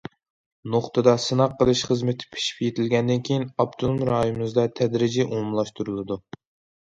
نۇقتىدا سىناق قىلىش خىزمىتى پىشىپ يېتىلگەندىن كېيىن، ئاپتونوم رايونىمىزدا تەدرىجىي ئومۇملاشتۇرۇلىدۇ.